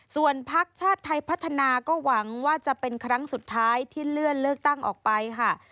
ส่วนพักชาติไทยพัฒนาก็หวังว่าจะเป็นครั้งสุดท้ายที่เลื่อนเลือกตั้งออกไปค่ะ